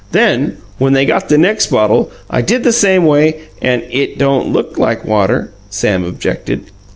Then, when they got the next bottle, I did the same way, and " "It don't look like water," Sam objected.